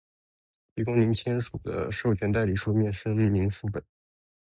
提供您签署的授权代理书面声明副本；